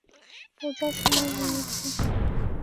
পূজার সময় হইয়াছে।